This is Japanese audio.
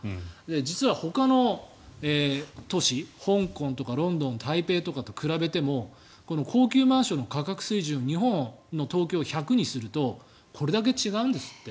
実はほかの都市香港とかロンドン台北とかと比べても高級マンションの価格水準日本の東京を１００にするとこれだけ違うんですって。